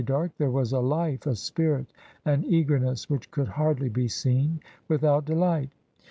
dark, there was a life, a spirit, an eager ness, which could hardly be seen without delight.''